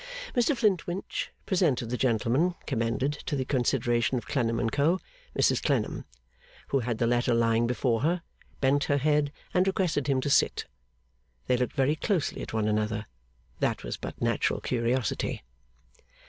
Mr Flintwinch presented the gentleman commended to the consideration of Clennam and Co. Mrs Clennam, who had the letter lying before her, bent her head and requested him to sit. They looked very closely at one another. That was but natural curiosity.